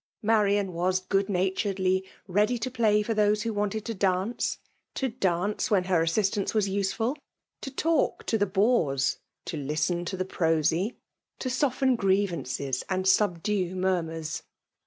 Marian was good naturedly ready to play for those who wanted to dance, to dance when her assistance was useful ;— to talk to the bores, to listen to the prosy ; to soften grievances, and subdue murmurs.